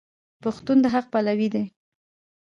پښتون د حق پلوی دی.